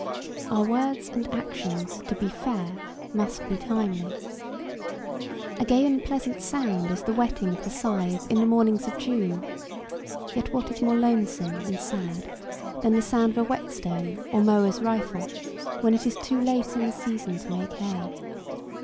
Our words and actions to be fair must be timely. A gay and pleasant sound is the whetting of the scythe in the mornings of June, yet what is more lonesome and sad than the sound of a whetstone or mower's rifle when it is too late in the season to make hay?